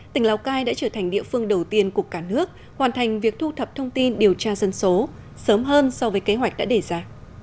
tỉnh lào cai đã trở thành địa phương đầu tiên của cả nước hoàn thành việc thu thập thông tin điều tra dân số sớm hơn so với kế hoạch đã đề ra